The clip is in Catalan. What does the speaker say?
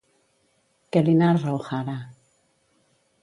Què li narra O'Hara?